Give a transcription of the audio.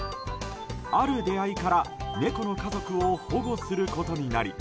ある出会いから猫の家族を保護することになり